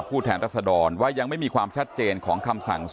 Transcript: เพื่อยุดยั้งการสืบทอดอำนาจของขอสอชอและยังพร้อมจะเป็นนายกรัฐมนตรี